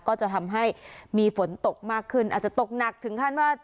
ก็จะทำให้มีฝนตกมากขึ้นอาจจะตกหนักถึงขั้นว่า